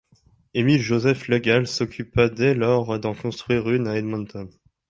Émile-Joseph Legal s’occupa dès lors d’en construire une à Edmonton.